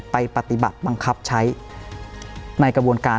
ไปปฏิบัติบังคับใช้ในกระบวนการ